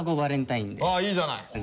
あいいじゃない！